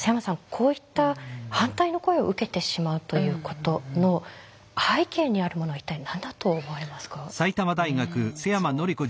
こういった反対の声を受けてしまうということの背景にあるものは一体何だと思われますか？